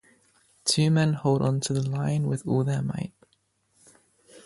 The two men hold onto the line with all their might.